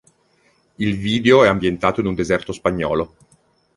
Il video è ambientato in un deserto spagnolo.